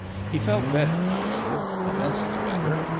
He felt better, however immensely better.